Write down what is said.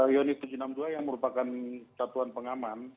yonif tujuh ratus enam puluh dua yang merupakan satuan pengaman